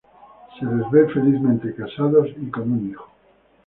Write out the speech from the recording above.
Se les ve felizmente casados y con un hijo.